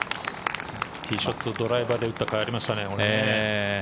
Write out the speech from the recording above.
ティーショットをドライバーで打ったかいがありましたね。